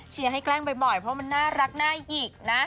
เชียงให้แกล้งบ่อยเพราะมันน่ารักน่าอีกนะ